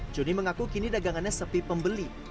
joni mengaku kini dagangannya sepi pembeli